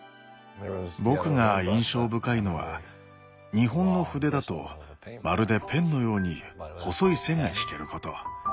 僕が印象深いのは日本の筆だとまるでペンのように細い線が引けること。